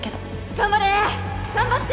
頑張れ頑張って